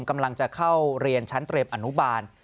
กำลังจะเข้าเรียนชั้นเตรียมอนุบาล